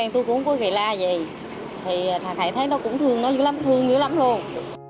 thì thầy thấy nó cũng thương nó như lắm thương như lắm rồi